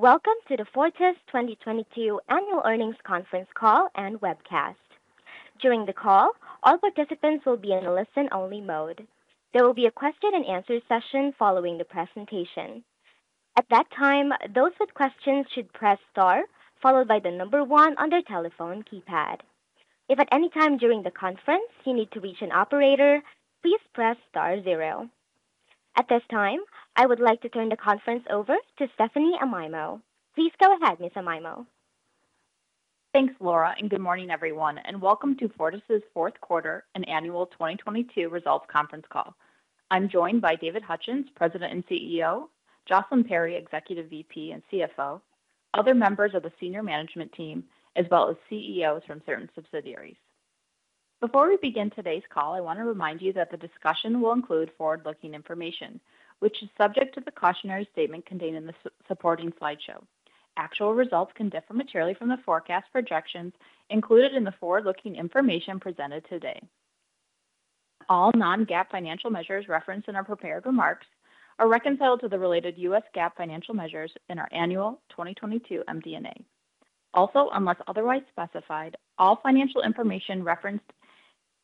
Welcome to the Fortis 2022 Annual Earnings Conference Call and Webcast. At this time, I would like to turn the conference over to Stephanie Amaimo. Please go ahead, Miss Amaimo. Thanks, Laura, good morning, everyone, and welcome to Fortis' Q4 and Annual 2022 Results Conference Call. I'm joined by David Hutchens, President and CEO, Jocelyn Perry, Executive VP and CFO, other members of the senior management team, as well as CEOs from certain subsidiaries. Before we begin today's call, I want to remind you that the discussion will include forward-looking information, which is subject to the cautionary statement contained in the supporting slideshow. Actual results can differ materially from the forecast projections included in the forward-looking information presented today. All non-GAAP financial measures referenced in our prepared remarks are reconciled to the related US GAAP financial measures in our annual 2022 MD&A. Unless otherwise specified, all financial information referenced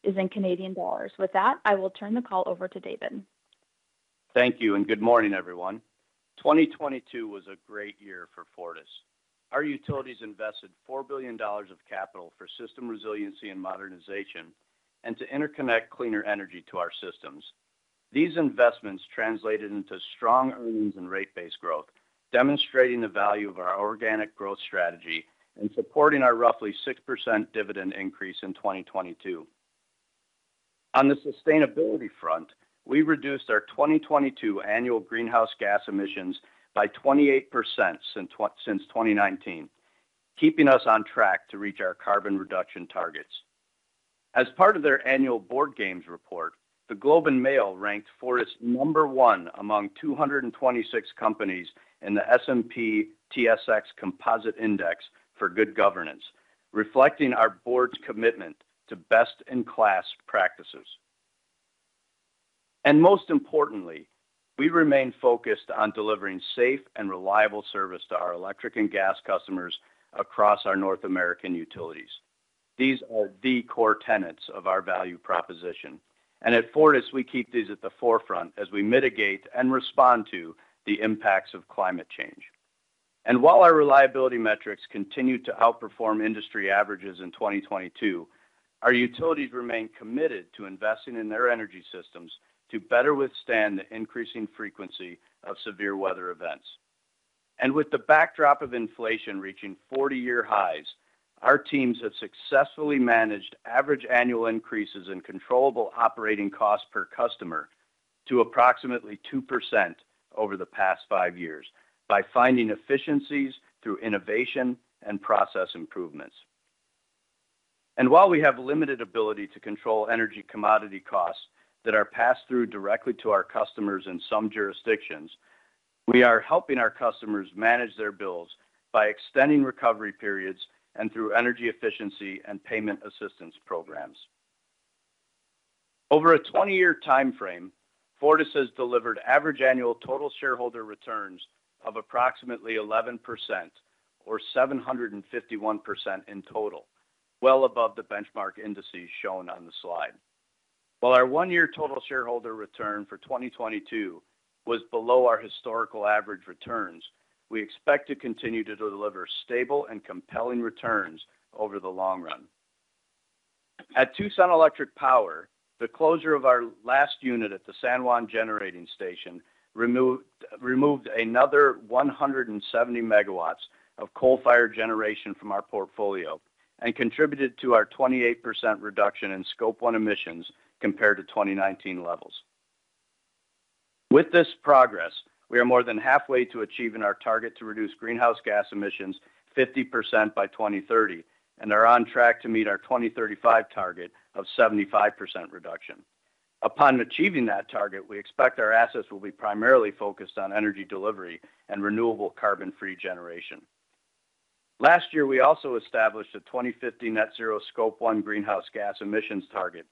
is in Canadian dollars. With that, I will turn the call over to David. Thank you, good morning, everyone. 2022 was a great year for Fortis. Our utilities invested 4 billion dollars of capital for system resiliency and modernization and to interconnect cleaner energy to our systems. These investments translated into strong earnings and rate-based growth, demonstrating the value of our organic growth strategy and supporting our roughly 6% dividend increase in 2022. On the sustainability front, we reduced our 2022 annual greenhouse gas emissions by 28% since 2019, keeping us on track to reach our carbon reduction targets. As part of their annual Board Games report, The Globe and Mail ranked Fortis number ONE among 226 companies in the S&P/TSX Composite Index for good governance, reflecting our board's commitment to best-in-class practices. Most importantly, we remain focused on delivering safe and reliable service to our electric and gas customers across our North American utilities. These are the core tenets of our value proposition. At Fortis, we keep these at the forefront as we mitigate and respond to the impacts of climate change. While our reliability metrics continued to outperform industry averages in 2022, our utilities remain committed to investing in their energy systems to better withstand the increasing frequency of severe weather events. With the backdrop of inflation reaching 40-year highs, our teams have successfully managed average annual increases in controllable operating costs per customer to approximately 2% over the past five years by finding efficiencies through innovation and process improvements. While we have limited ability to control energy commodity costs that are passed through directly to our customers in some jurisdictions, we are helping our customers manage their bills by extending recovery periods and through energy efficiency and payment assistance programs. Over a 20-year timeframe, Fortis has delivered average annual total shareholder returns of approximately 11% or 751% in total, well above the benchmark indices shown on the slide. While our one-year total shareholder return for 2022 was below our historical average returns, we expect to continue to deliver stable and compelling returns over the long run. At Tucson Electric Power, the closure of our last unit at the San Juan Generating Station removed another 170 MW of coal-fired generation from our portfolio and contributed to our 28% reduction in Scope one emissions compared to 2019 levels. With this progress, we are more than halfway to achieving our target to reduce greenhouse gas emissions 50% by 2030 and are on track to meet our 2035 target of 75% reduction. Upon achieving that target, we expect our assets will be primarily focused on energy delivery and renewable carbon-free generation. Last year, we also established a 2050 net zero Scope one greenhouse gas emissions target,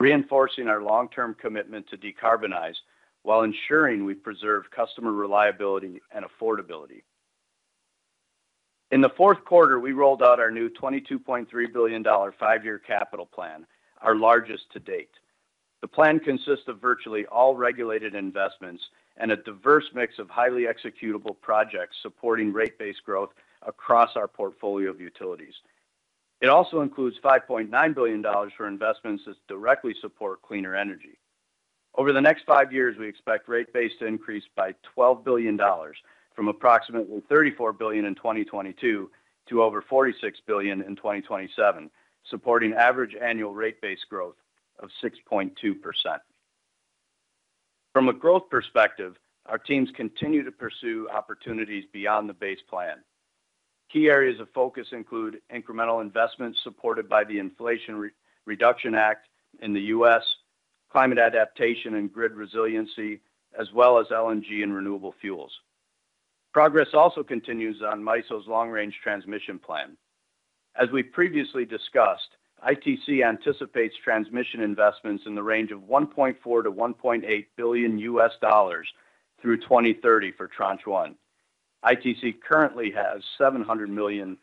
reinforcing our long-term commitment to decarbonize while ensuring we preserve customer reliability and affordability. In the Q4, we rolled out our new 22.3 billion dollar 5-year capital plan, our largest to date. The plan consists of virtually all regulated investments and a diverse mix of highly executable projects supporting rate-based growth across our portfolio of utilities. It also includes 5.9 billion dollars for investments that directly support cleaner energy. Over the next five years, we expect rate base to increase by 12 billion dollars from approximately 34 billion in 2022 to over 46 billion in 2027, supporting average annual rate base growth of 6.2%. From a growth perspective, our teams continue to pursue opportunities beyond the base plan. Key areas of focus include incremental investments supported by the Inflation Reduction Act in the US, climate adaptation and grid resiliency, as well as LNG and renewable fuels. Progress also continues on MISO's Long-Range Transmission Plan. As we previously discussed, ITC anticipates transmission investments in the range of $1.4 billion-$1.8 billion US dollars through 2030 for Tranche one. ITC currently has $700 million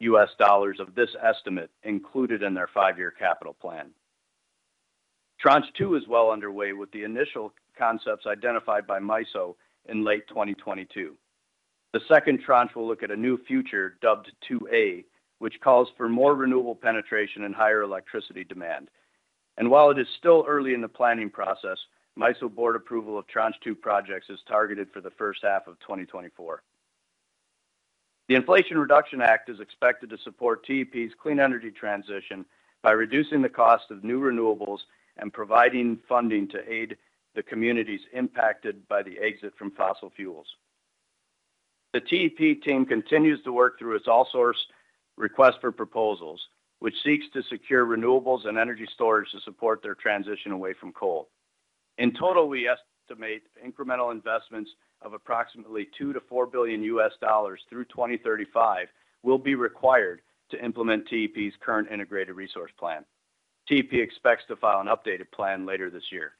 U.S. dollars of this estimate included in their five-year capital plan. Tranche two is well underway with the initial concepts identified by MISO in late 2022. The second Tranche will look at a new future dubbed 2A, which calls for more renewable penetration and higher electricity demand. While it is still early in the planning process, MISO board approval of Tranche two projects is targeted for the first half of 2024. The Inflation Reduction Act is expected to support TEP's clean energy transition by reducing the cost of new renewables and providing funding to aid the communities impacted by the exit from fossil fuels. The TEP team continues to work through its all source request for proposals, which seeks to secure renewables and energy storage to support their transition away from coal. In total, we estimate incremental investments of approximately $2-$4 billion through 2035 will be required to implement TEP's current integrated resource plan. TEP expects to file an updated plan later this year.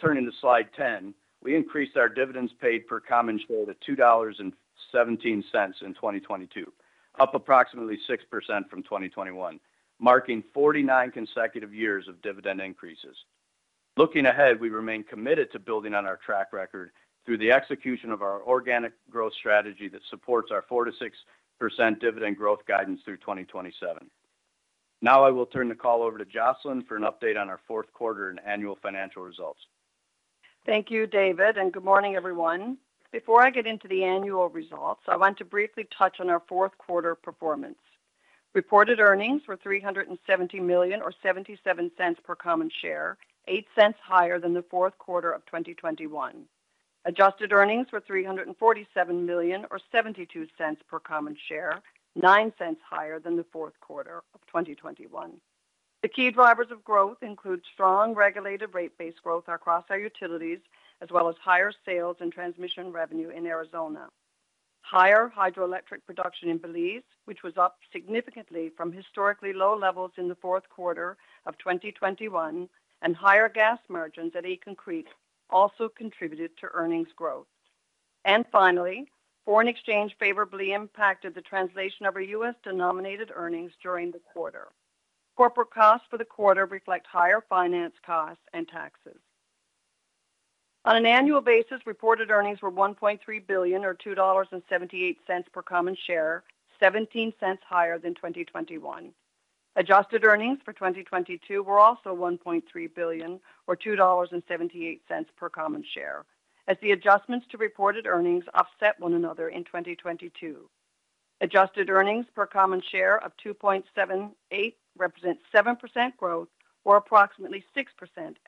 Turning to slide 10, we increased our dividends paid per common share to 2.17 dollars in 2022, up approximately 6% from 2021, marking 49 consecutive years of dividend increases. Looking ahead, we remain committed to building on our track record through the execution of our organic growth strategy that supports our 4%-6% dividend growth guidance through 2027. I will turn the call over to Jocelyn for an update on our Q4 and annual financial results. Thank you, David. Good morning, everyone. Before I get into the annual results, I want to briefly touch on our Q4 performance. Reported earnings were CAD 370 million or 0.77 per common share, 0.08 higher than the Q4 of 2021. Adjusted earnings were CAD 347 million or 0.72 per common share, 0.09 higher than the Q4 of 2021. The key drivers of growth include strong regulated rate base growth across our utilities, as well as higher sales and transmission revenue in Arizona. Higher hydroelectric production in Belize, which was up significantly from historically low levels in the Q4 of 2021, and higher gas margins at Aitken Creek also contributed to earnings growth. Finally, foreign exchange favorably impacted the translation of our US-denominated earnings during the quarter. Corporate costs for the quarter reflect higher finance costs and taxes. On an annual basis, reported earnings were 1.3 billion or 2.78 dollars per common share, 0.17 higher than 2021. Adjusted earnings for 2022 were also 1.3 billion or 2.78 dollars per common share, as the adjustments to reported earnings offset one another in 2022. Adjusted earnings per common share of 2.78 represent 7% growth or approximately 6%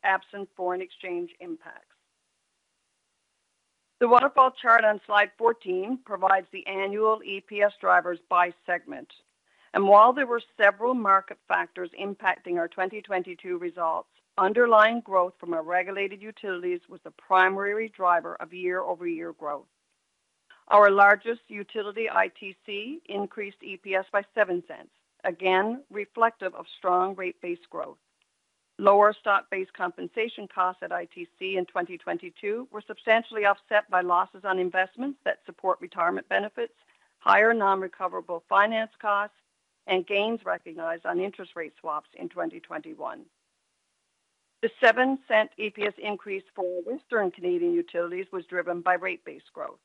absent foreign exchange impacts. The waterfall chart on slide 14 provides the annual EPS drivers by segment. While there were several market factors impacting our 2022 results, underlying growth from our regulated utilities was the primary driver of year-over-year growth. Our largest utility, ITC, increased EPS by 0.07, again reflective of strong rate base growth. Lower stock-based compensation costs at ITC in 2022 were substantially offset by losses on investments that support retirement benefits, higher non-recoverable finance costs, and gains recognized on interest rate swaps in 2021. The 0.07 EPS increase for Western Canadian utilities was driven by rate base growth.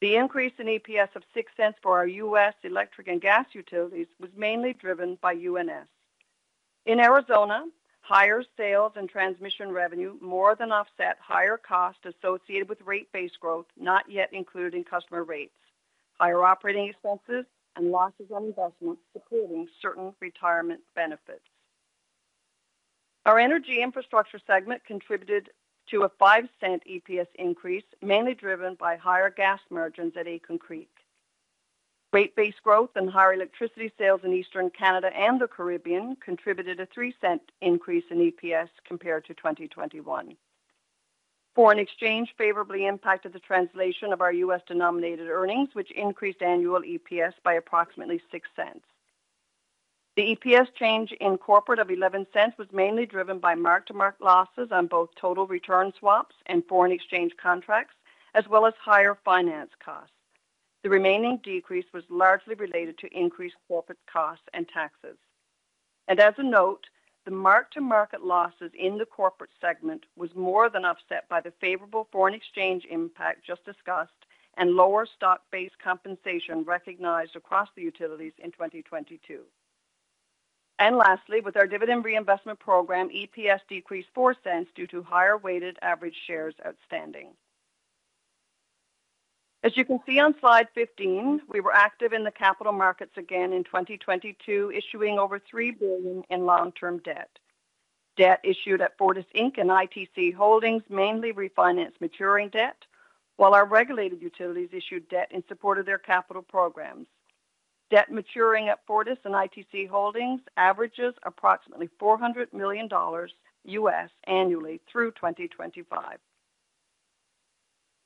The increase in EPS of 0.06 for our US electric and gas utilities was mainly driven by UNS. In Arizona, higher sales and transmission revenue more than offset higher costs associated with rate base growth not yet included in customer rates. Higher operating expenses and losses on investments supporting certain retirement benefits. Our energy infrastructure segment contributed to a 0.05 EPS increase, mainly driven by higher gas margins at Aitken Creek. Rate base growth and higher electricity sales in Eastern Canada and the Caribbean contributed a 0.03 increase in EPS compared to 2021. Foreign exchange favorably impacted the translation of our US-denominated earnings, which increased annual EPS by approximately 0.06. The EPS change in corporate of 0.11 was mainly driven by mark-to-market losses on both total return swaps and foreign exchange contracts, as well as higher finance costs. The remaining decrease was largely related to increased corporate costs and taxes. As a note, the mark-to-market losses in the corporate segment was more than offset by the favorable foreign exchange impact just discussed and lower stock-based compensation recognized across the utilities in 2022. Lastly, with our dividend reinvestment program, EPS decreased 0.04 due to higher weighted average shares outstanding. As you can see on slide 15, we were active in the capital markets again in 2022, issuing over 3 billion in long-term debt. Debt issued at Fortis Inc ITC Holdings mainly refinanced maturing debt, while our regulated utilities issued debt in support of their capital programs. Debt maturing at Fortis and ITC Holdings averages approximately $400 million US annually through 2025.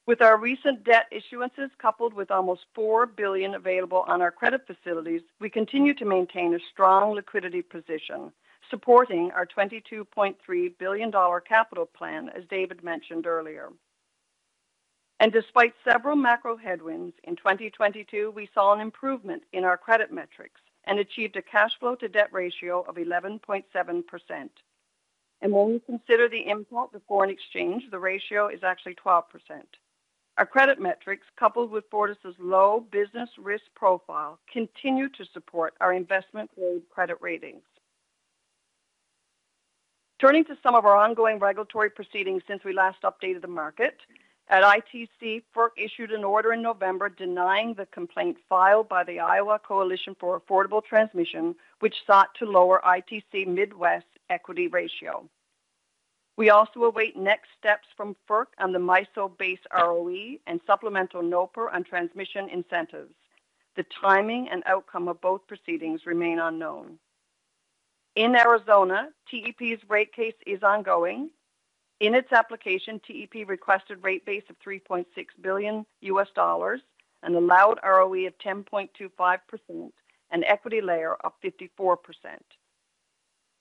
With our recent debt issuances, coupled with almost 4 billion available on our credit facilities, we continue to maintain a strong liquidity position supporting our 22.3 billion dollar capital plan, as David mentioned earlier. Despite several macro headwinds in 2022, we saw an improvement in our credit metrics and achieved a cash flow to debt ratio of 11.7%. When we consider the import of foreign exchange, the ratio is actually 12%. Our credit metrics, coupled with Fortis' low business risk profile, continue to support our investment-grade credit ratings. Turning to some of our ongoing regulatory proceedings since we last updated the market. At ITC, FERC issued an order in November denying the complaint filed by the Iowa Coalition for Affordable Transmission, which sought to lower ITC Midwest's equity ratio. We also await next steps from FERC on the MISO Base ROE and supplemental NOPR on transmission incentives. The timing and outcome of both proceedings remain unknown. In Arizona, TEP's rate case is ongoing. In its application, TEP requested rate base of $3.6 billion, an allowed ROE of 10.25%, and equity layer of 54%.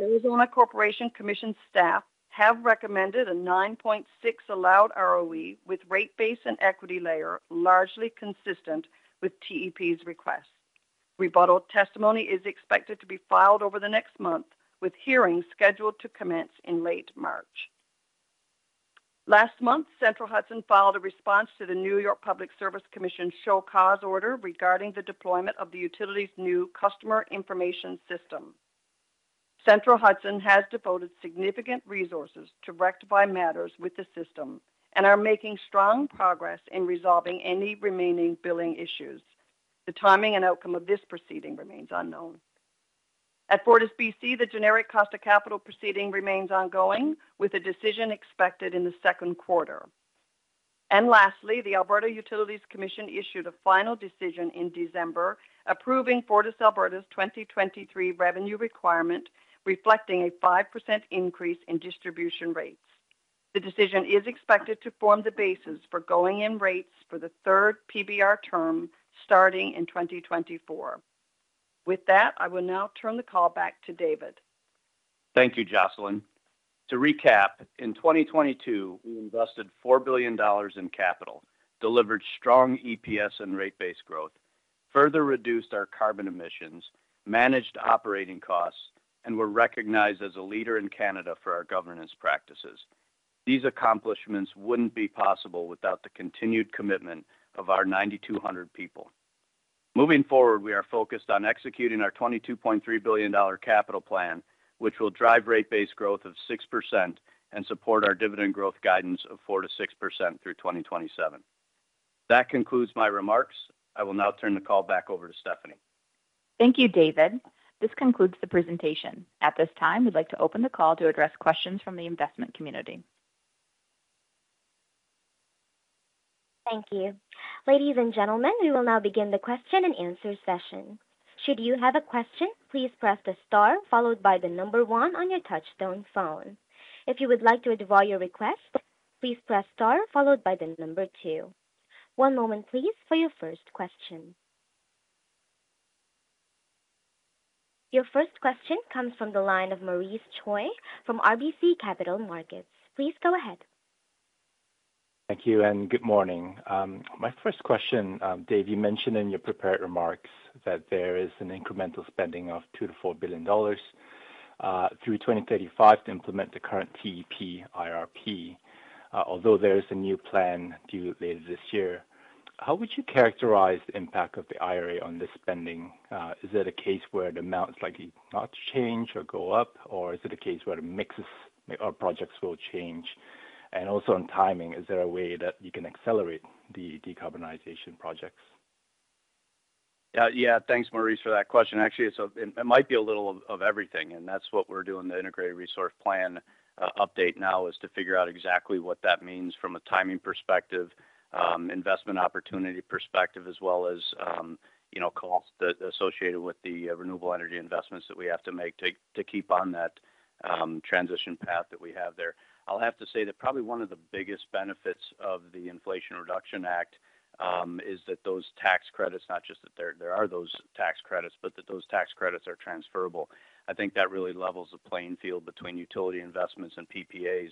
Arizona Corporation Commission staff have recommended a 9.6% allowed ROE with rate base and equity layer largely consistent with TEP's request. Rebuttal testimony is expected to be filed over the next month, with hearings scheduled to commence in late March. Last month, Central Hudson filed a response to the New York Public Service Commission show cause order regarding the deployment of the utility's new customer information system. Central Hudson has devoted significant resources to rectify matters with the system and are making strong progress in resolving any remaining billing issues. The timing and outcome of this proceeding remains unknown. At FortisBC, the Generic Cost of Capital proceeding remains ongoing, with a decision expected in the second quarter. Lastly, the Alberta Utilities Commission issued a final decision in December approving FortisAlberta's 2023 revenue requirement, reflecting a 5% increase in distribution rates. The decision is expected to form the basis for going-in rates for the third PBR term starting in 2024. With that, I will now turn the call back to David. Thank you, Jocelyn. To recap, in 2022, we invested 4 billion dollars in capital, delivered strong EPS and rate base growth, further reduced our carbon emissions, managed operating costs, and were recognized as a leader in Canada for our governance practices. These accomplishments wouldn't be possible without the continued commitment of our 9,200 people. Moving forward, we are focused on executing our 22.3 billion dollar capital plan, which will drive rate base growth of 6% and support our dividend growth guidance of 4%-6% through 2027. That concludes my remarks. I will now turn the call back over to Stephanie. Thank you, David. This concludes the presentation. At this time, we'd like to open the call to address questions from the investment community. Thank you. Your first question comes from the line of Maurice Choy from RBC Capital Markets. Please go ahead. Thank you and good morning. My first question. Dave, you mentioned in your prepared remarks that there is an incremental spending of $2-$4 billion, through 2035 to implement the current TEP IRP, although there is a new plan due later this year. How would you characterize the impact of the IRA on this spending? Is it a case where the amount is likely not change or go up, or is it a case where the mixes or projects will change? Also on timing, is there a way that you can accelerate the decarbonization projects? Yeah. Thanks, Maurice, for that question. Actually, it might be a little of everything, and that's what we're doing. The Integrated Resource Plan update now is to figure out exactly what that means from a timing perspective, investment opportunity perspective, as well as, you know, costs that are associated with the renewable energy investments that we have to make to keep on that transition path that we have there. I'll have to say that probably one of the biggest benefits of the Inflation Reduction Act is that those tax credits, not just that there are those tax credits, but that those tax credits are transferable. I think that really levels the playing field between utility investments and PPAs.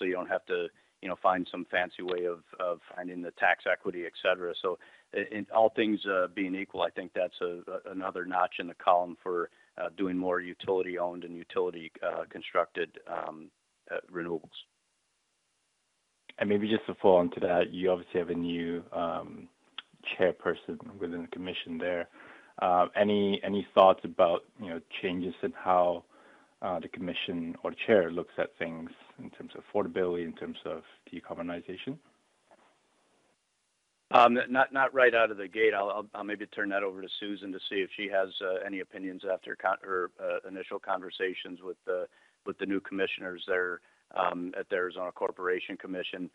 You don't have to, you know, find some fancy way of finding the tax equity, et cetera. In all things, being equal, I think that's another notch in the column for doing more utility-owned and utility constructed renewables. Maybe just to follow on to that, you obviously have a new chairperson within the Commission there. Any thoughts about, you know, changes in how the Commission or Chair looks at things in terms of affordability in terms of decarbonization? Not right out of the gate. I'll maybe turn that over to Susan to see if she has any opinions after or initial conversations with the new commissioners there at the Arizona Corporation Commission.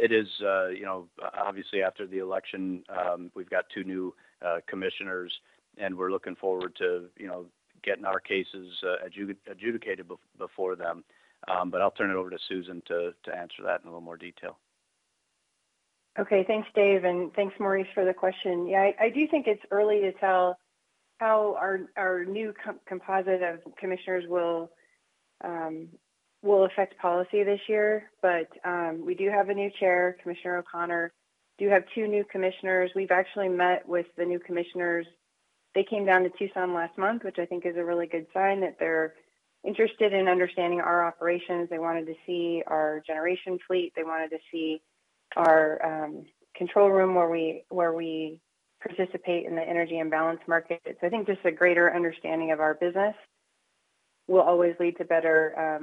It is, you know, obviously after the election, we've got two new commissioners, and we're looking forward to, you know, getting our cases adjudicated before them. I'll turn it over to Susan to answer that in a little more detail. Okay. Thanks, Dave, and thanks, Maurice, for the question. Yeah, I do think it's early to tell how our new composite of commissioners will affect policy this year. We do have a new chair, Commissioner O'Connor. Do have two new commissioners. We've actually met with the new commissioners. They came down to Tucson last month, which I think is a really good sign that they're interested in understanding our operations. They wanted to see our generation fleet. They wanted to see our control room where we, where we participate in the energy and balance markets. I think just a greater understanding of our business will always lead to better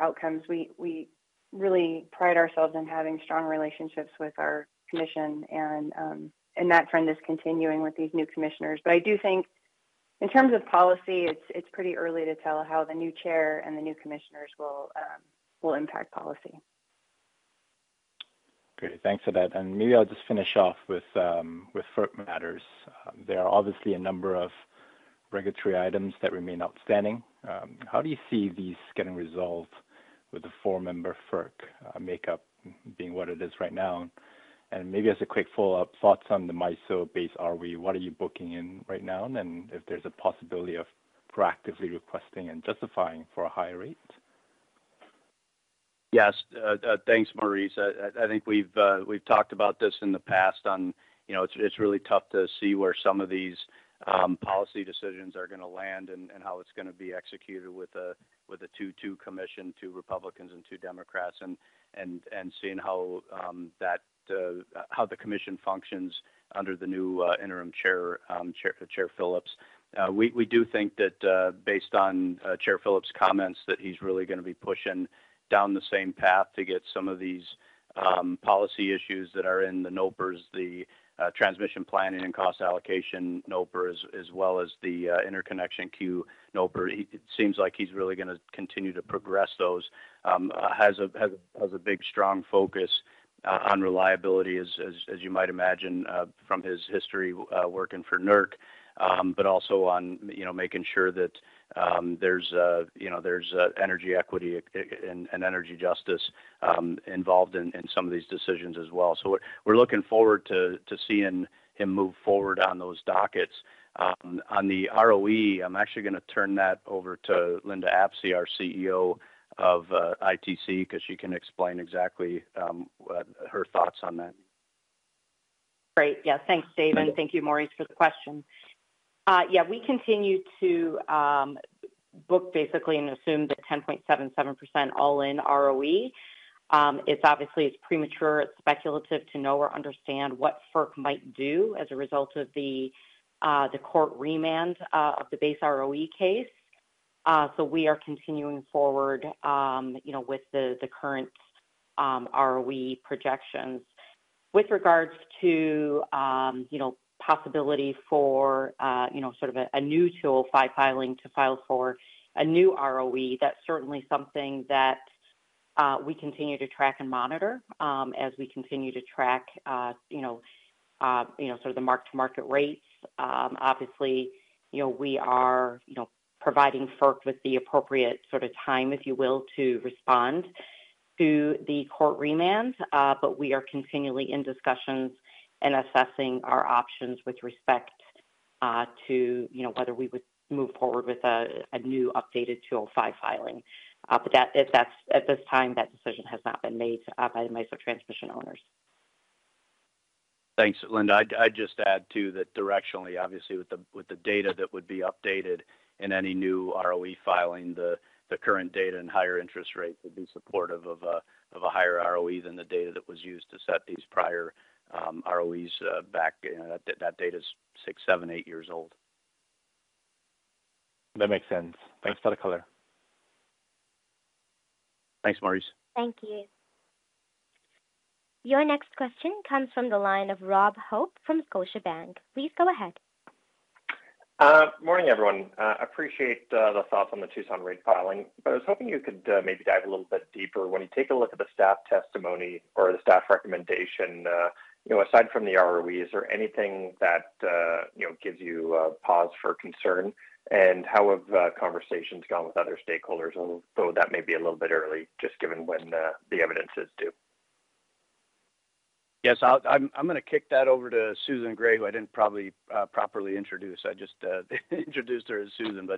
outcomes we really pride ourselves in having strong relationships with our Commission and that trend is continuing with these new commissioners. I do think in terms of policy, it's pretty early to tell how the new Chair and the new commissioners will impact policy. Great. Thanks for that. Maybe I'll just finish off with FERC matters. There are obviously a number of regulatory items that remain outstanding. How do you see these getting resolved with the four-member FERC makeup being what it is right now? Maybe as a quick follow-up, thoughts on the MISO base ROE. What are you booking in right now? If there's a possibility of proactively requesting and justifying for a higher rate? Yes. Thanks, Maurice. I think we've talked about this in the past on, you know, it's really tough to see where some of these policy decisions are gonna land and how it's gonna be executed with a 2-2 commission, two Republicans and two Democrats, and seeing how that how the commission functions under the new interim chair, Chair Phillips. We do think that based on Chair Phillips' comments, that he's really gonna be pushing down the same path to get some of these policy issues that are in the NOPRs, the transmission planning and cost allocation NOPRs, as well as the interconnection queue NOPR. It seems like he's really gonna continue to progress those has a big, strong focus on reliability, as you might imagine, from his history, working for NERC, but also on, you know, making sure that, there's, you know, there's energy equity and energy justice, involved in some of these decisions as well. We're looking forward to seeing him move forward on those dockets. On the ROE, I'm actually gonna turn that over to Linda Apsey, our CEO of ITC, 'cause she can explain exactly her thoughts on that. Great. Yeah. Thanks, Dave, and thank you, Maurice, for the question. Yeah, we continue to book basically and assume the 10.77% all-in ROE. It's obviously, it's premature, it's speculative to know or understand what FERC might do as a result of the court remand of the base ROE case. We are continuing forward, you know, with the current ROE projections. With regards to, you know, possibility for, you know, sort of a new Section five filing, to file for a new ROE, that's certainly something that we continue to track and monitor, as we continue to track, you know, you know, sort of the mark-to-market rates. Obviously, you know, we are, you know, providing FERC with the appropriate sort of time, if you will, to respond to the court remands. We are continually in discussions and assessing our options with respect to, you know, whether we would move forward with a new updated 205 filing. At this time, that decision has not been made by the MISO transmission owners. Thanks, Linda. I'd just add, too, that directionally, obviously with the data that would be updated in any new ROE filing, the current data and higher interest rates would be supportive of a higher ROE than the data that was used to set these prior ROEs back that data's six, seven, eight years old. That makes sense. Thanks for the color. Thanks, Maurice. Thank you. Your next question comes from the line of Rob Hope from Scotiabank. Please go ahead. Morning, everyone. Appreciate the thoughts on the Tucson rate filing. I was hoping you could maybe dive a little bit deeper. When you take a look at the staff testimony or the staff recommendation, you know, aside from the ROEs is there anything that, you know, gives you pause for concern? How have conversations gone with other stakeholders, although that may be a little bit early, just given when the evidence is due? Yes, I'm gonna kick that over to Susan Gray, who I didn't probably properly introduce. I just introduced her as Susan.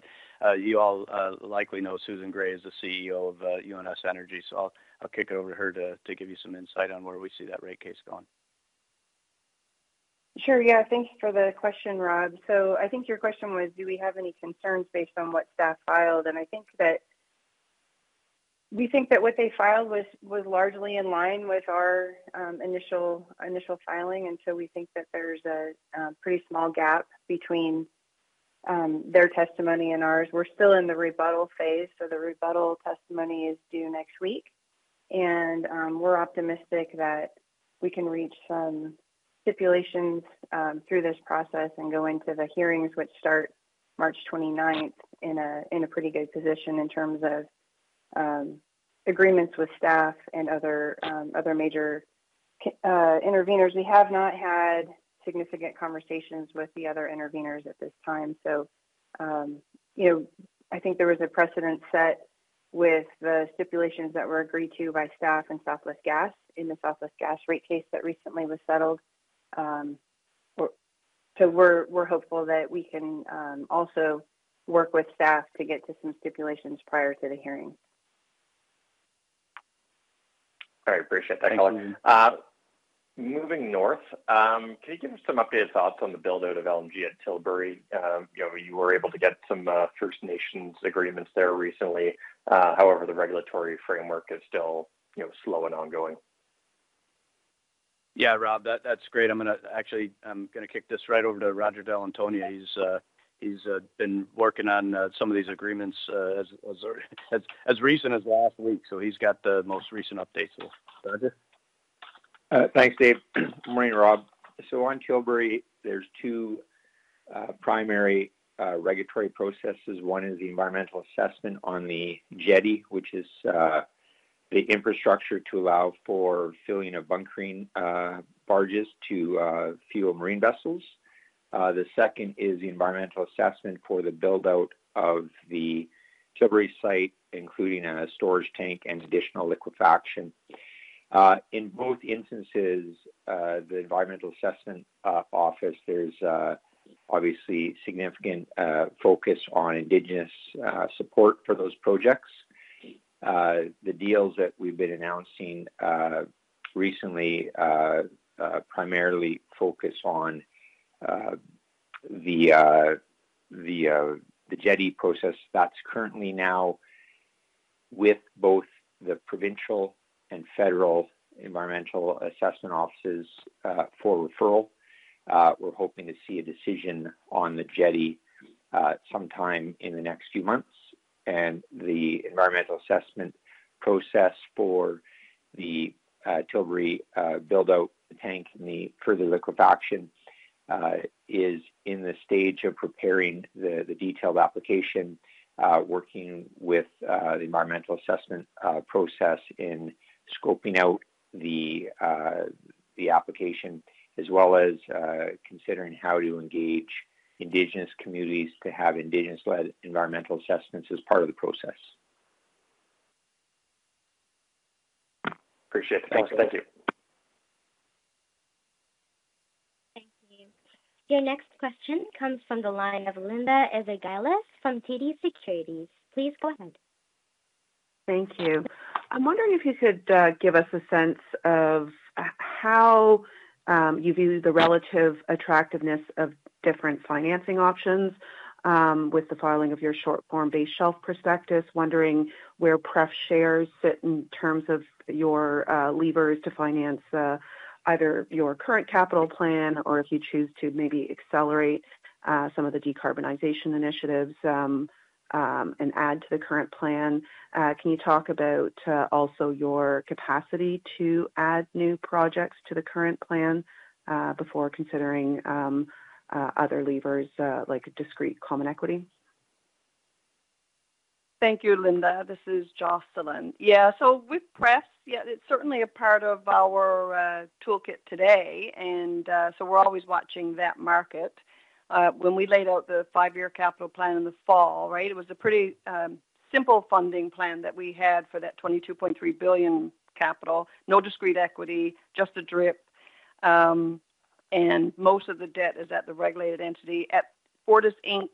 You all likely know Susan Gray is the CEO of UNS Energy. I'll kick it over to her to give you some insight on where we see that rate case going. Sure, yeah. Thank you for the question, Rob. I think your question was, do we have any concerns based on what staff filed? I think that. We think that what they filed was largely in line with our initial filing. We think that there's a pretty small gap between their testimony and ours. We're still in the rebuttal phase, so the rebuttal testimony is due next week. We're optimistic that we can reach some stipulations through this process and go into the hearings, which start March 29th in a pretty good position in terms of agreements with staff and other major interveners. We have not had significant conversations with the other interveners at this time. You know, I think there was a precedent set with the stipulations that were agreed to by staff and Southwest Gas in the Southwest Gas rate case that recently was settled. We're hopeful that we can also work with staff to get to some stipulations prior to the hearing. All right. Appreciate that. Thank you. Moving north, can you give us some updated thoughts on the build-out of LNG at Tilbury? You know, you were able to get some First Nations agreements there recently. However, the regulatory framework is still, you know, slow and ongoing. Yeah, Rob, that's great. Actually, I'm gonna kick this right over to Roger Dall'Antonia. He's been working on some of these agreements as recent as last week, he's got the most recent updates. Roger. Thanks, Dave. Good morning, Rob. On Tilbury, there's two primary regulatory processes. One is the environmental assessment on the jetty, which is the infrastructure to allow for filling of bunkering barges to fuel marine vessels. The second is the environmental assessment for the build-out of the Tilbury site, including a storage tank and additional liquefaction. In both instances, the environmental assessment office, there's obviously significant focus on Indigenous support for those projects. The deals that we've been announcing recently primarily focus on the jetty process that's currently now with both the provincial and federal environmental assessment offices for referral. We're hoping to see a decision on the jetty sometime in the next few months. The environmental assessment process for the Tilbury build-out tank and the further liquefaction is in the stage of preparing the detailed application working with the environmental assessment process in scoping out the application, as well as considering how to engage Indigenous communities to have Indigenous-led environmental assessments as part of the process. Appreciate it. Thanks. Thank you. Thank you. Thank you. Your next question comes from the line of Linda Ezergailis from TD Securities. Please go ahead. Thank you. I'm wondering if you could give us a sense of how you view the relative attractiveness of different financing options with the filing of your short form base shelf prospectus. Wondering where pref shares sit in terms of your levers to finance either your current capital plan or if you choose to maybe accelerate some of the decarbonization initiatives and add to the current plan. Can you talk about also your capacity to add new projects to the current plan before considering other levers like discrete common equity? Thank you, Linda. This is Jocelyn. Yeah. So with pref, yeah, it's certainly a part of our toolkit today. We're always watching that market. When we laid out the 5-year capital plan in the fall, right, it was a pretty simple funding plan that we had for that 22.3 billion capital. No discrete equity, just a DRIP. And most of the debt is at the regulated entity. At Fortis Inc,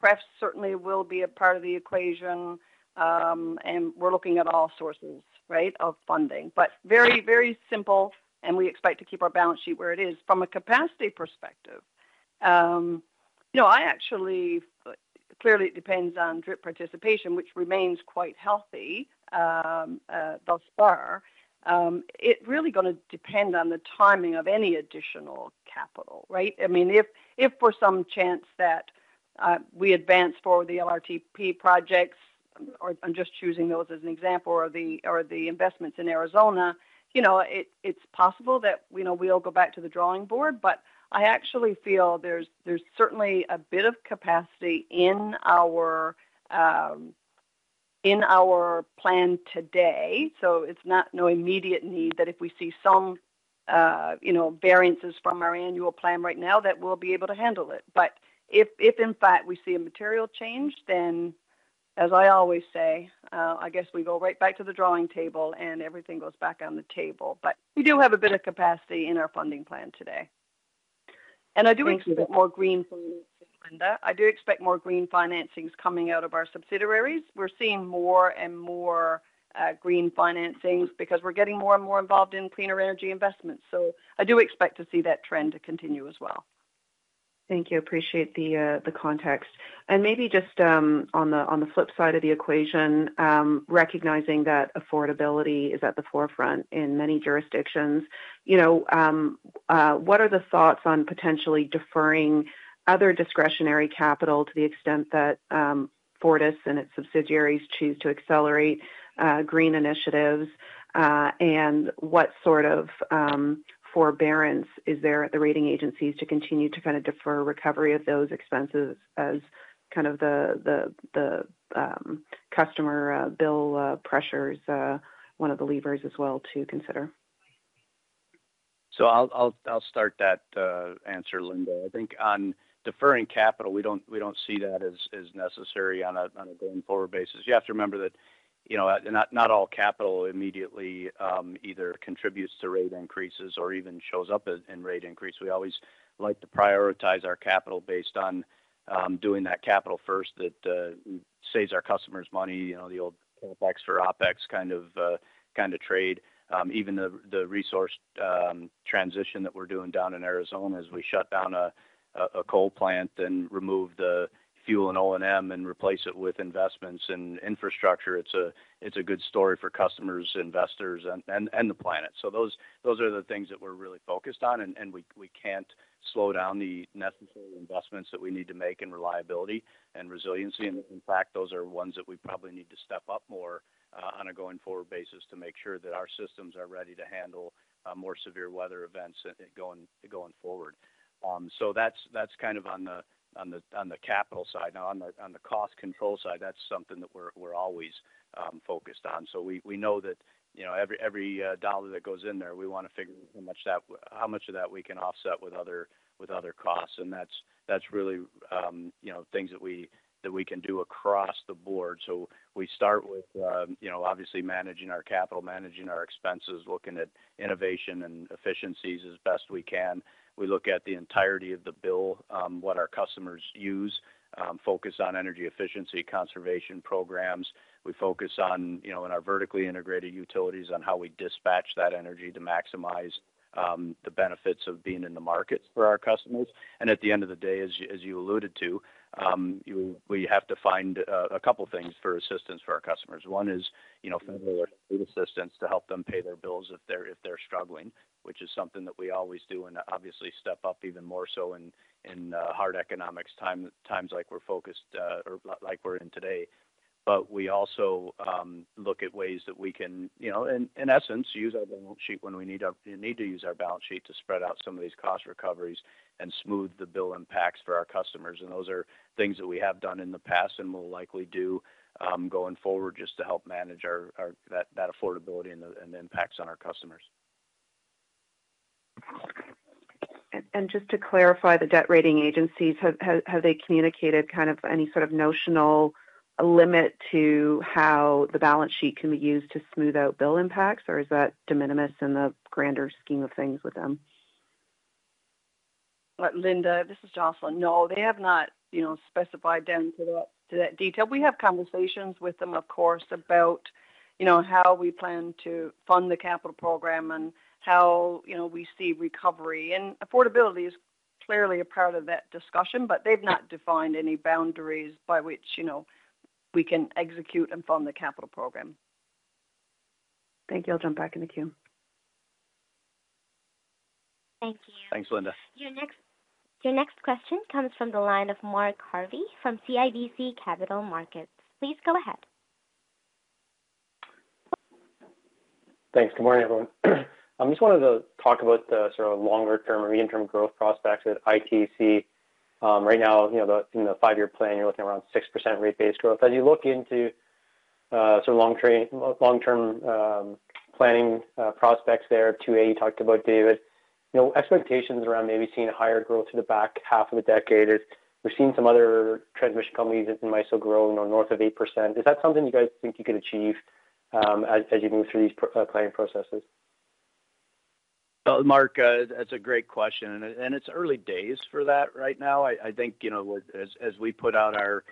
pref certainly will be a part of the equation, and we're looking at all sources, right, of funding. Very, very simple, and we expect to keep our balance sheet where it is. From a capacity perspective, you know, I actually. Clearly, it depends on DRIP participation, which remains quite healthy, thus far. It really gonna depend on the timing of any additional capital, right? I mean, if for some chance that we advance for the LRTP projects, or I'm just choosing those as an example, or the investments in Arizona, you know, it's possible that, you know, we'll go back to the drawing board. I actually feel there's certainly a bit of capacity in our in our plan today, so it's not no immediate need that if we see some, you know, variances from our annual plan right now that we'll be able to handle it. If in fact, we see a material change, then, as I always say, I guess we go right back to the drawing table, and everything goes back on the table. We do have a bit of capacity in our funding plan today. Thanks, Jocelyn. I do expect more green financings. Linda, I do expect more green financings coming out of our subsidiaries. We're seeing more and more green financings because we're getting more and more involved in cleaner energy investments. I do expect to see that trend to continue as well. Thank you. Appreciate the context. Maybe just on the flip side of the equation, recognizing that affordability is at the forefront in many jurisdictions. You know, what are the thoughts on potentially deferring other discretionary capital to the extent that Fortis and its subsidiaries choose to accelerate green initiatives? What sort of forbearance is there at the rating agencies to continue to kind a defer recovery of those expenses as kind of the customer bill pressures, one of the levers as well to consider? I'll start that answer, Linda. I think on deferring capital, we don't see that as necessary on a going forward basis. You have to remember that, you know, not all capital immediately either contributes to rate increases or even shows up in rate increase. We always like to prioritize our capital based on doing that capital first that saves our customers money. You know, the old CapEx for OpEx kind of trade. Even the resource transition that we're doing down in Arizona as we shut down a coal plant and remove the fuel and O&M and replace it with investments in infrastructure. It's a good story for customers, investors, and the planet. Those are the things that we're really focused on. We can't slow down the necessary investments that we need to make in reliability and resiliency. In fact, those are ones that we probably need to step up more on a going forward basis to make sure that our systems are ready to handle more severe weather events going forward. That's kind of on the capital side. Now, on the cost control side, that's something that we're always focused on. We know that, you know, every dollar that goes in there, we wanna figure how much of that we can offset with other costs. That's really, you know, things that we can do across the board. We start with, you know, obviously managing our capital, managing our expenses, looking at innovation and efficiencies as best we can. We look at the entirety of the bill, what our customers use, focus on energy efficiency conservation programs. We focus on, you know, in our vertically integrated utilities on how we dispatch that energy to maximize the benefits of being in the markets for our customers. At the end of the day, as you, as you alluded to, we have to find a couple things for assistance for our customers. One is, you know, federal or state assistance to help them pay their bills if they're, if they're struggling, which is something that we always do and obviously step up even more so in hard economics times like we're focused, or like we're in today. We also look at ways that we can, you know, in essence use our balance sheet when we need to use our balance sheet to spread out some of these cost recoveries and smooth the bill impacts for our customers. Those are things that we have done in the past and will likely do going forward just to help manage our affordability and the impacts on our customers. Just to clarify, the debt rating agencies, have they communicated kind of any sort of notional limit to how the balance sheet can be used to smooth out bill impacts? Or is that de minimis in the grander scheme of things with them? Linda, this is Jocelyn. No, they have not, you know, specified down to that detail. We have conversations with them, of course, about, you know, how we plan to fund the capital program and how, you know, we see recovery. Affordability is clearly a part of that discussion, but they've not defined any boundaries by which, you know, we can execute and fund the capital program. Thank you. I'll jump back in the queue. Thank you. Thanks, Linda. Your next question comes from the line of Mark Jarvi from CIBC Capital Markets. Please go ahead. Thanks. Good morning, everyone. I just wanted to talk about the sort of longer-term or interim growth prospects at ITC. Right now, you know, the, you know, five-year plan, you're looking around 6% rate base growth. As you look into sort of long-term planning prospects there, 2A, you talked about, David. You know, expectations around maybe seeing a higher growth to the back half of a decade. We're seeing some other transmission companies in MISO growing north of 8%. Is that something you guys think you could achieve as you move through these planning processes? Mark, that's a great question, and it's early days for that right now. I think, you know, as we put out our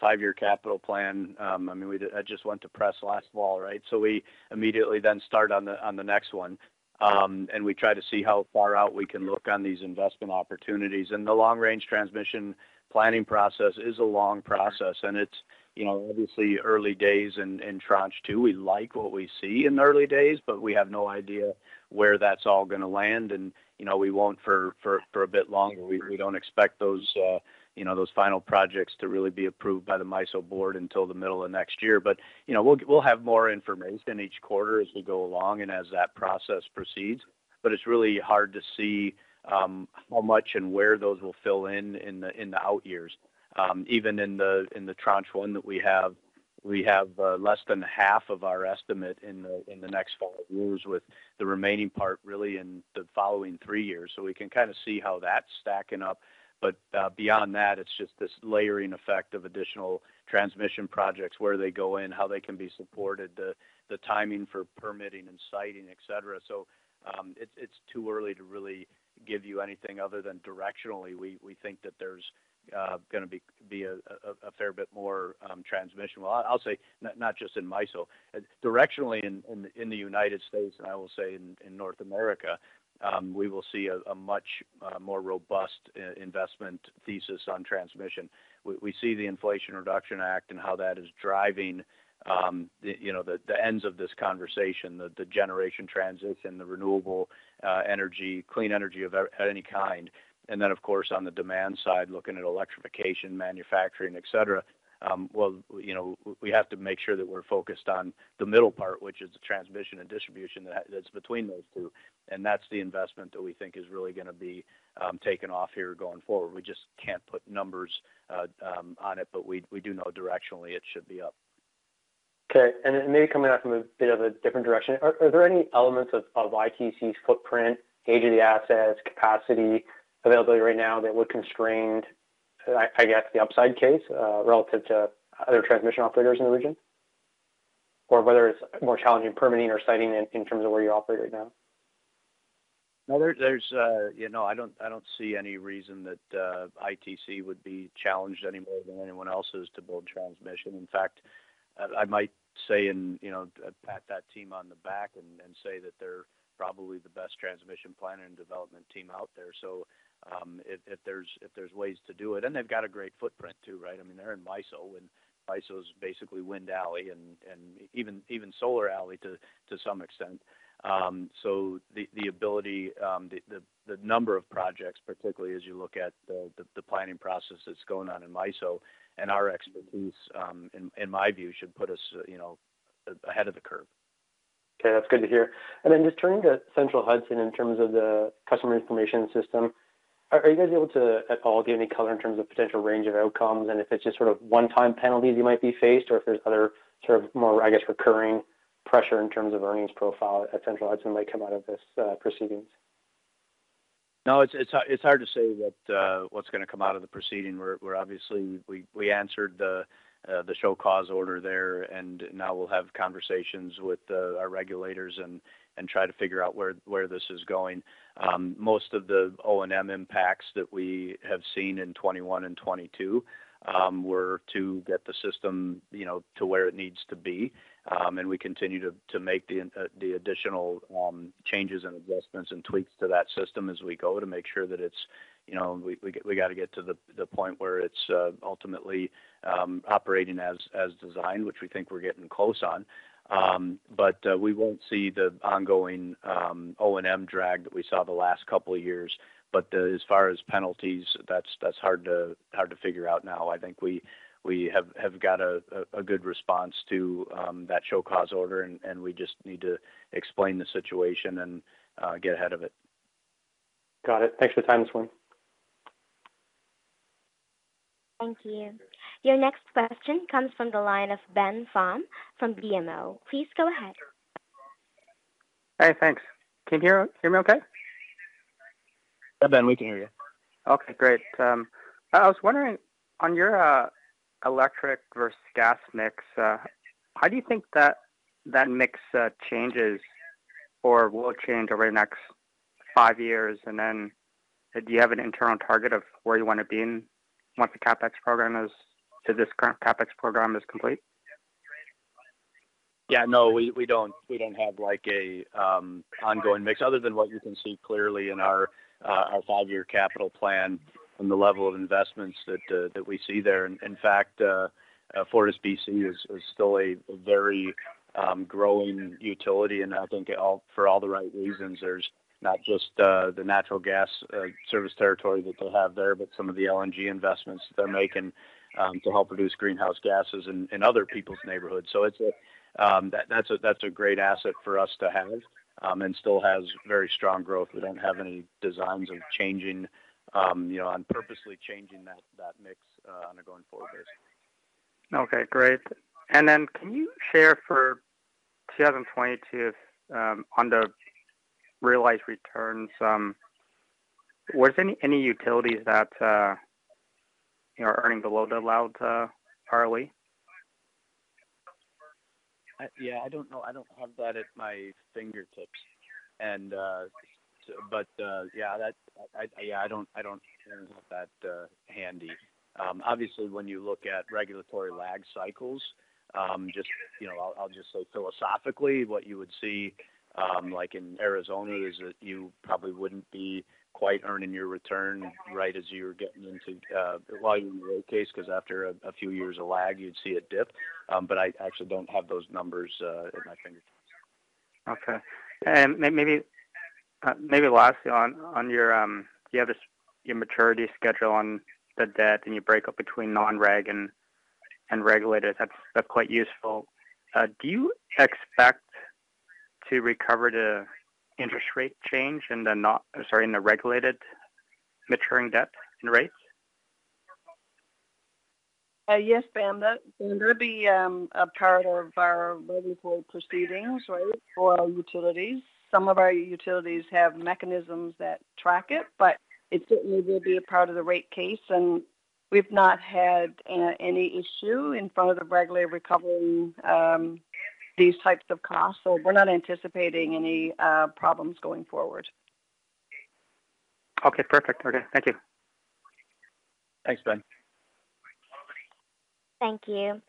five-year capital plan, I mean, that just went to press last fall, right? We immediately then start on the next one. We try to see how far out we can look on these investment opportunities. The long-range transmission planning process is a long process, and it's, you know, obviously early days in Tranche two. We like what we see in the early days, but we have no idea where that's all gonna land. You know, we won't for a bit longer. We don't expect those, you know, those final projects to really be approved by the MISO board until the middle of next year. You know, we'll have more information each quarter as we go along and as that process proceeds. It's really hard to see how much and where those will fill in the out years. Even in the Tranche one that we have, we have less than half of our estimate in the next four years with the remaining part really in the following three years. We can kind a see how that's stacking up. Beyond that, it's just this layering effect of additional transmission projects, where they go and how they can be supported, the timing for permitting and siting, et cetera. It's too early to really give you anything other than directionally, we think that there's gonna be a fair bit more transmission. Well, I'll say not just in MISO. Directionally in the United States, and I will say in North America, we will see a much more robust investment thesis on transmission. We see the Inflation Reduction Act and how that is driving, you know, the ends of this conversation, the generation transition, the renewable energy, clean energy of any kind. Of course, on the demand side, looking at electrification, manufacturing, et cetera. Well, you know, we have to make sure that we're focused on the middle part, which is the transmission and distribution that's between those two, and that's the investment that we think is really gonna be taking off here going forward we just can't put numbers on it, but we do know directionally it should be up. Okay. Maybe coming at it from a bit of a different direction. Are there any elements of ITC's footprint, age of the assets, capacity availability right now that would constrain, I guess, the upside case, relative to other transmission operators in the region? Whether it's more challenging permitting or siting in terms of where you operate right now? No, there's, you know, I don't see any reason that ITC would be challenged any more than anyone else is to build transmission. In fact, I might say and, you know, pat that team on the back and say that they're probably the best transmission planning and development team out there. If there's ways to do it. They've got a great footprint too, right? I mean, they're in MISO, and MISO is basically wind alley and even solar alley to some extent. The ability, the number of projects, particularly as you look at the planning process that's going on in MISO and our expertise, in my view, should put us, you know, ahead of the curve. Okay. That's good to hear. Just turning to Central Hudson in terms of the customer information system. Are you guys able to at all give any color in terms of potential range of outcomes, and if it's just sort of one-time penalties you might be faced, or if there's other sort of more, I guess, recurring pressure in terms of earnings profile at Central Hudson might come out of this proceedings? No, it's hard to say what's gonna come out of the proceeding. We answered the show cause order there, and now we'll have conversations with our regulators and try to figure out where this is going. Most of the O&M impacts that we have seen in 2021 and 2022 were to get the system, you know, to where it needs to be. We continue to make the additional changes and adjustments and tweaks to that system as we go to make sure that it's, you know, we got to get to the point where it's ultimately operating as designed, which we think we're getting close on. We won't see the ongoing O&M drag that we saw the last couple of years. As far as penalties, that's hard to figure out now. I think we have got a good response to that show cause order, and we just need to explain the situation and get ahead of it. Got it. Thanks for the time. Thank you. Your next question comes from the line of Ben Pham from BMO. Please go ahead. Hey, thanks. Can you hear me okay? Yeah, Ben, we can hear you. Okay, great. I was wondering on your electric versus gas mix, how do you think that mix changes or will change over the next five years? Then do you have an internal target of where you want to be once the CapEx program to this current CapEx program is complete? No, we don't have like a ongoing mix other than what you can see clearly in our five-year capital plan and the level of investments that we see there. In fact, FortisBC is still a very growing utility, and I think for all the right reasons. There's not just the natural gas service territory that they have there, but some of the LNG investments they're making to help reduce greenhouse gases in other people's neighborhoods. It's a great asset for us to have and still has very strong growth. We don't have any designs of changing, you know, on purposely changing that mix on a going forward basis. Okay, great. Can you share for 2022, on the realized returns, was any utilities that, you know, are earning below the allowed ROE? Yeah, I don't know. I don't have that at my fingertips. I don't have that handy. Obviously, when you look at regulatory lag cycles, just, you know, I'll just say philosophically, what you would see, like in Arizona is that you probably wouldn't be quite earning your return right as you're getting into, while you were in rate case, 'cause after a few years of lag, you'd see a dip but I actually don't have those numbers at my fingertips. Okay. Maybe lastly on your, you have this, your maturity schedule on the debt, and you break up between non-reg and regulated. That's quite useful. Do you expect to recover the interest rate change in the regulated maturing debt and rates? Yes, Ben. That'd be a part of our rate report proceedings, right, for our utilities. Some of our utilities have mechanisms that track it, but it certainly will be a part of the rate case. We've not had any issue in front of the regulator recovering these types of costs. We're not anticipating any problems going forward. Okay. Perfect. Okay. Thank you. Thanks, Ben. Thank you.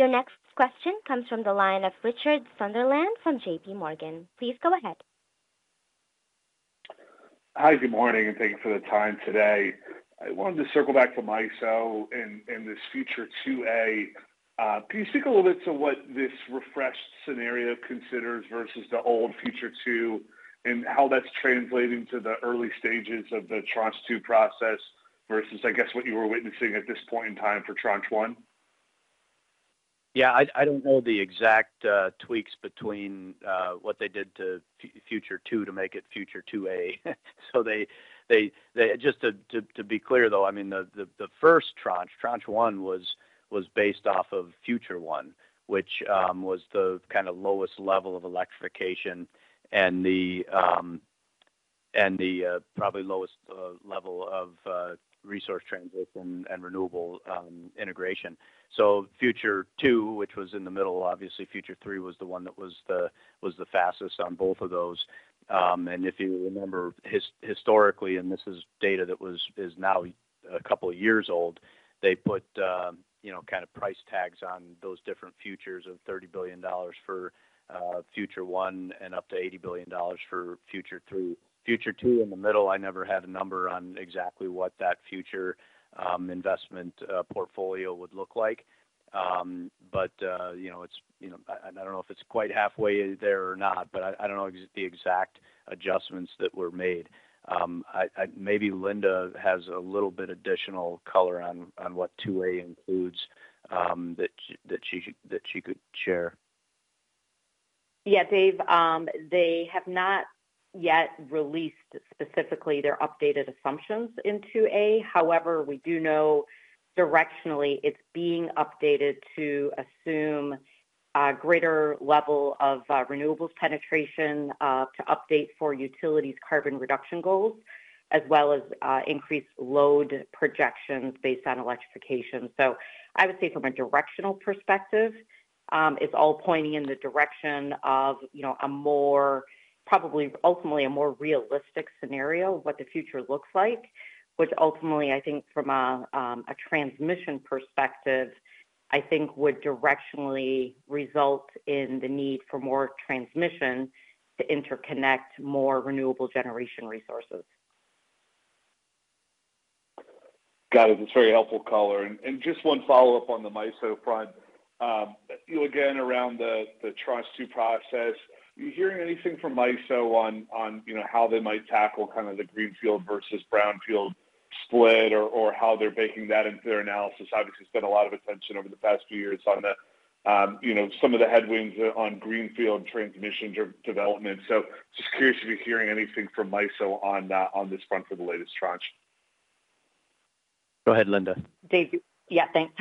Your next question comes from the line of Richard Sunderland from J.P. Morgan. Please go ahead. Hi, good morning, and thank you for the time today. I wanted to circle back to MISO in this Future 2A. Can you speak a little bit to what this refreshed scenario considers versus the old Future two, and how that's translating to the early stages of the Tranche two process versus, I guess, what you were witnessing at this point in time for Tranche one? Yeah. I don't know the exact tweaks between what they did to Future 2 to make it Future 2A. Just to be clear though, I mean, the first tranche, Tranche one, was based off of Future one, which was the kind of lowest level of electrification and the probably lowest level of resource transition and renewable integration. Future two, which was in the middle, obviously Future three was the one that was the fastest on both of those. And if you remember historically, and this is data that is now a couple years old, they put, you know, kind of price tags on those different futures of $30 billion for Future oneand up to $80 billion for Future three. Future two in the middle, I never had a number on exactly what that future, investment, portfolio would look like. You know, it's, you know I don't know if it's quite halfway there or not, but I don't know the exact adjustments that were made. I Maybe Linda has a little bit additional color on what 2A includes, that she could share. Yeah, Dave. They have not yet released specifically their updated assumptions in 2A. However, we do know directionally it's being updated to assume a greater level of renewables penetration, to update for utilities' carbon reduction goals, as well as increased load projections based on electrification. I would say from a directional perspective, it's all pointing in the direction of, you know, a more, probably ultimately a more realistic scenario of what the future looks like, which ultimately I think from a transmission perspective, I think would directionally result in the need for more transmission to interconnect more renewable generation resources. Got it. That's a very helpful color. Just one follow-up on the MISO front. you know, again, around the Tranche two process, are you hearing anything from MISO on, you know, how they might tackle kind a the greenfield versus brownfield split or how they're baking that into their analysis? Obviously, there's been a lot of attention over the past few years on the, you know, some of the headwinds on greenfield transmission development. Just curious if you're hearing anything from MISO on this front for the latest tranche. Go ahead, Linda. Dave. Yeah, thanks.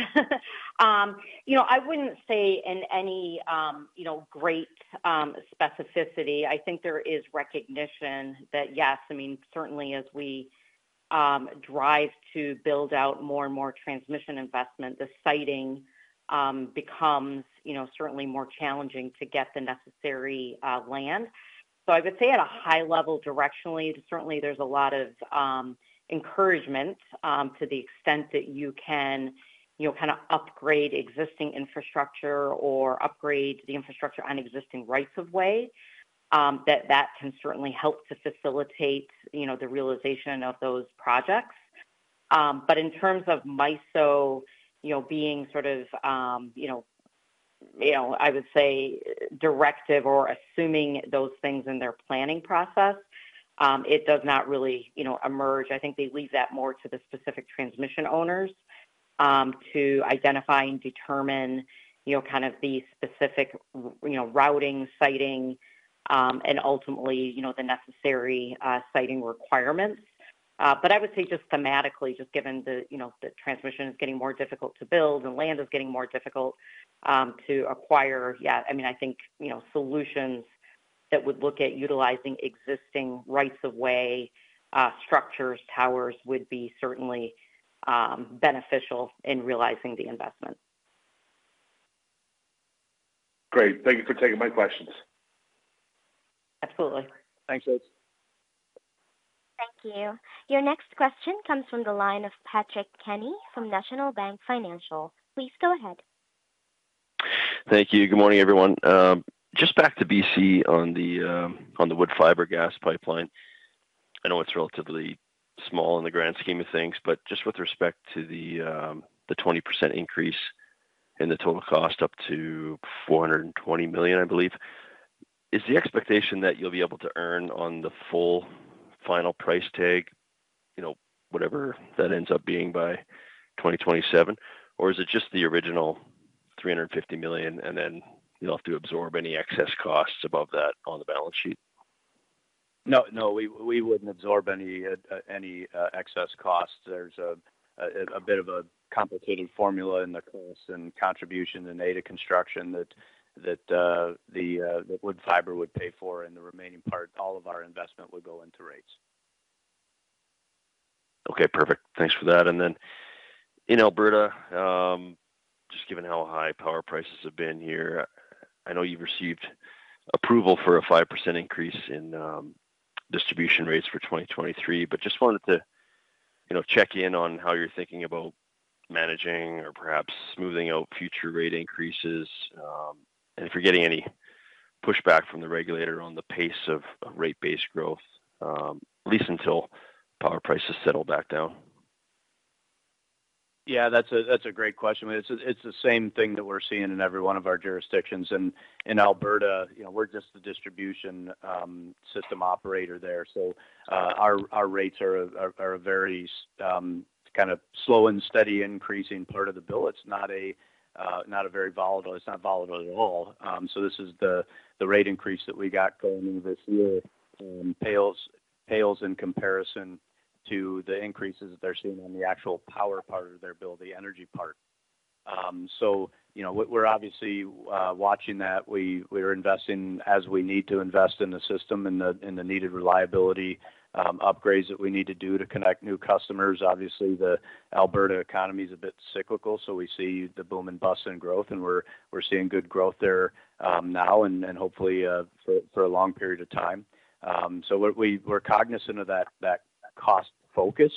You know, I wouldn't say in any, you know, great, specificity. I think there is recognition that, yes, I mean, certainly as we drive to build out more and more transmission investment, the siting becomes, you know, certainly more challenging to get the necessary land. I would say at a high level directionally, certainly there's a lot of encouragement to the extent that you can, you know, kind a upgrade existing infrastructure or upgrade the infrastructure on existing rights of way, that can certainly help to facilitate, you know, the realization of those projects. In terms of MISO, you know, being sort of, you know, I would say directive or assuming those things in their planning process, it does not really, you know, emerge. I think they leave that more to the specific transmission owners, to identify and determine, you know, kind of the specific you know, routing, siting, and ultimately, you know, the necessary siting requirements. I would say just thematically, just given the, you know, the transmission is getting more difficult to build and land is getting more difficult, to acquire, yeah, I mean, I think, you know, solutions that would look at utilizing existing rights of way, structures, towers would be certainly beneficial in realizing the investment. Great. Thank you for taking my questions. Absolutely. Thanks. Thank you. Your next question comes from the line of Patrick Kenny from National Bank Financial. Please go ahead. Thank you. Good morning, everyone. Just back to BC on the Eagle Mountain-Woodfibre Gas Pipeline. I know it's relatively small in the grand scheme of things, but just with respect to the 20% increase in the total cost up to 420 million, I believe. Is the expectation that you'll be able to earn on the full final price tag, you know, whatever that ends up being by 2027? Or is it just the original 350 million, and then you'll have to absorb any excess costs above that on the balance sheet? No, we wouldn't absorb any excess costs. There's a bit of a complicated formula in the costs and contribution in aid of construction that the Woodfibre would pay for. The remaining part, all of our investment would go into rates. Okay, perfect. Thanks for that. Then in Alberta, just given how high power prices have been here, I know you've received approval for a 5% increase in distribution rates for 2023. Just wanted to, you know, check in on how you're thinking about managing or perhaps smoothing out future rate increases. If you're getting any pushback from the regulator on the pace of rate-based growth, at least until power prices settle back down. Yeah. That's a great question. It's the same thing that we're seeing in every one of our jurisdictions. In Alberta, you know, we're just the distribution system operator there. Our rates are very kind of slow and steady increasing part of the bill it's not a very volatile. It's not volatile at all. This is the rate increase that we got going into this year pales in comparison to the increases that they're seeing on the actual power part of their bill, the energy part. You know, we're obviously watching that. We're investing as we need to invest in the system and the needed reliability upgrades that we need to do to connect new customers. Obviously, the Alberta economy is a bit cyclical, so we see the boom and bust and growth, and we're seeing good growth there now and hopefully for a long period of time. We're cognizant of that cost focus,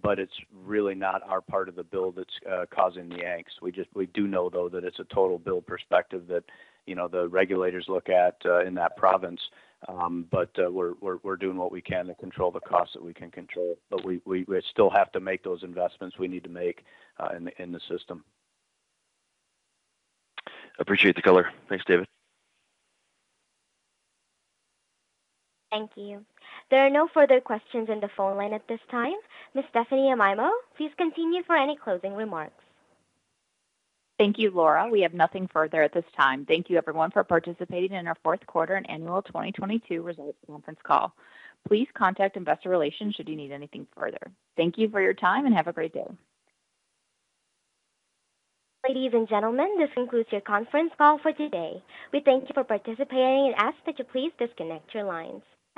but it's really not our part of the bill that's causing the angst. We do know, though, that it's a total bill perspective that, you know, the regulators look at in that province. We're doing what we can to control the costs that we can control. We still have to make those investments we need to make in the system. Appreciate the color. Thanks, David. Thank you. There are no further questions in the phone line at this time. Ms. Stephanie Amaimo, please continue for any closing remarks. Thank you, Laura. We have nothing further at this time. Thank you everyone for participating in our Q4 and annual 2022 results conference call. Please contact investor relations should you need anything further. Thank you for your time, and have a great day. Ladies and gentlemen, this concludes your conference call for today. We thank you for participating and ask that you please disconnect your lines.